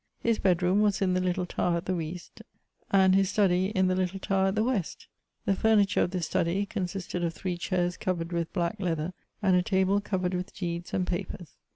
His bedroom was in the little tower at the east, and his study in the little tower at the west. The furniture of this study consisted of three chairs covered with black leather, and a table covered with deeds and papers.